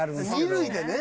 二塁でね。